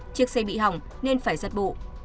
chiếc xe bị hỏng nên phải giật bộ